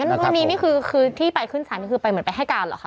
นี้ที่เปิดขึ้นสารคือไปเหมือนไปให้การเหรอคะ